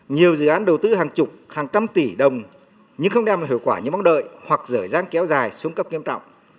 nhiều dự án đầu tư hàng chục hàng trăm tỷ đồng nhưng không đem hợp quả như mong đợi hoặc rời giang kéo dài xuống cấp nghiêm trọng